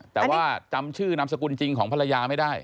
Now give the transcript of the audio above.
แต่ว่าจำชื่อนามสกุลจริงของภรรยาไม่ได้